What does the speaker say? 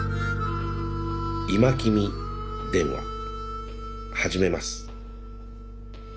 「今君電話」始めます。